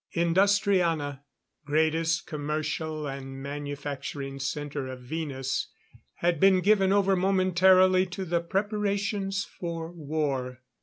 Industriana, greatest commercial and manufacturing center of Venus, had been given over momentarily to the preparations for war.